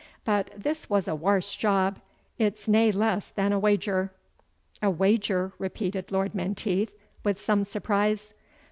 But this is a warse job it's nae less than a wager." "A wager!" repeated Lord Menteith, with some surprise.